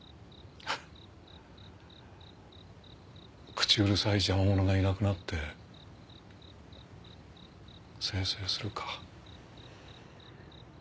口うるさい邪魔者がいなくなってせいせいするか。